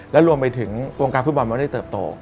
และรวมไปถึงวงการฟุตบอลไม่ได้เติบโต